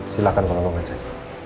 silahkan kalau mau ngecek